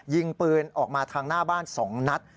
ยิงปืนออกมาทางหน้าบ้าน๒นัด